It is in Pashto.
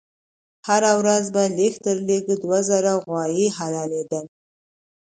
هر ورځ به لږ تر لږه دوه زره غوایي حلالېدل.